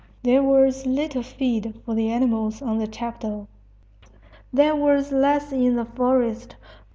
There was little feed for the animals on the Chapadao. There was less in the forest.